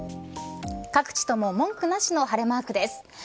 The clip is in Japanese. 各地とも文句なしの晴れマークです。